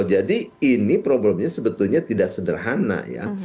jadi ini problemnya sebetulnya tidak sederhana ya